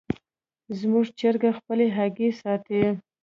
زموږ چرګه خپلې هګۍ ساتي.